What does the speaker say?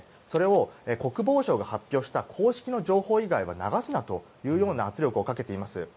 それを国防省が発表した公式の情報以外は流すなというような圧力をかけています。